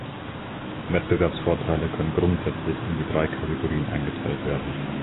Wettbewerbsvorteile können grundsätzlich in drei Kategorien eingeteilt werden